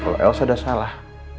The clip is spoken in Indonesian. kalau elsa ada salah